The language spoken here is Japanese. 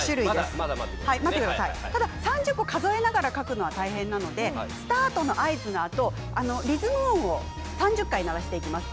ただ３０個数えながら書くのは大変なのでスタートの合図のあとリズム音を３０回鳴らします。